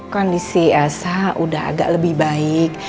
kondisi elsa sudah agak lebih baik